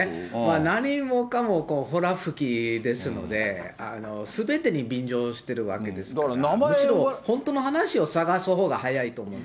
何もかもほら吹きですので、すべてに便乗してるわけですから、むしろ本当の話を探すほうが早いと思いますね。